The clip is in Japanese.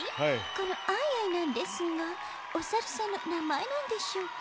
この「アイアイ」なんですがおさるさんのなまえなんでしょうか？